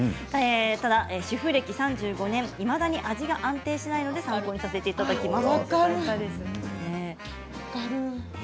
ただ主婦歴３５年いまだに味が安定しないので参考にさせていただきます。